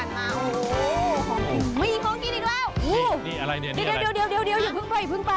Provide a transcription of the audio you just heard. เราก็มีของที่ฤทธิ์หม้อด้วยค่ะ